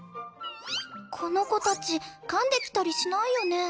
この子たちかんできたりしないよね？